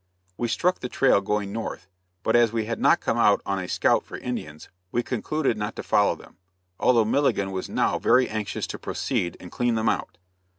We struck the trail going north, but as we had not come out on a scout for Indians, we concluded not to follow them; although Milligan was now very anxious to proceed and clean them out.